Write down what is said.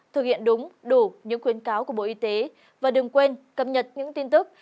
thực hiện đúng đủ những khuyến cáo của bộ y tế và đừng quên cập nhật những tin tức